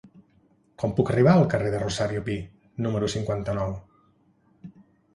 Com puc arribar al carrer de Rosario Pi número cinquanta-nou?